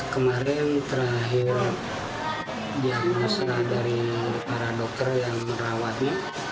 kemarin terakhir dia berdasarkan dari para dokter yang merawatnya